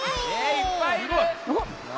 いっぱいいる！